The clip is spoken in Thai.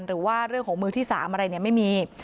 หรือว่าเรื่องของมือที่๓อะไรไม่มี